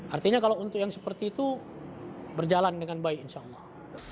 artinya kalau untuk yang seperti itu berjalan dengan baik insya allah